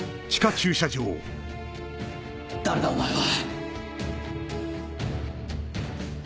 誰だお前は！